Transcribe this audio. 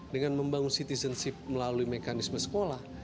dengan membangun citizenship melalui mekanisme sekolah